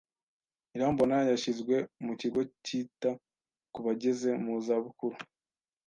Irambona yashyizwe mu kigo cyita ku bageze mu za bukuru.